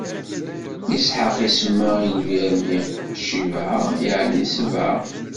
Isḥaq isemma i lbir-nni: Cibɛa, yeɛni Sebɛa.